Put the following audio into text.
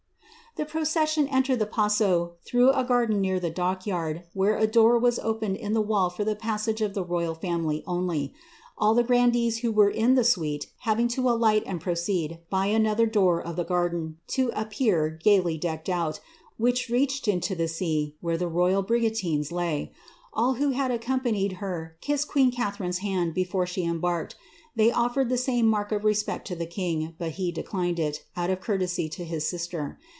The proceesion entered the Pa^o through a garden near the d where a door was opened in the wall for the passage of the roj only ; all the grandees who were in the suite having to alight ceed, by another door of the garden, to a pier gaily decked oi reached into the sea where the royal brigantines lay. All who ha panied her kissed queen Catharine's hand before she embark ofiered the same mark of respect to the king, but he declined : courtesy to his sister.